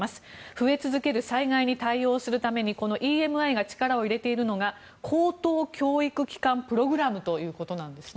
増え続ける災害に対応するためにＥＭＩが力を入れているのが高等教育機関プログラムですね。